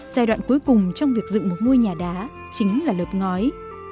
giai đoạn cuối cùng trong việc dựng một ngôi nhà đá chính là lợp ngói